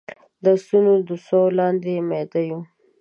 د اسونو د سوو لاندې يې ميده يو